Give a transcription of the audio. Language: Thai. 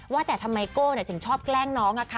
ว่าแต่ทำไมโก้ถึงชอบแกล้งน้อง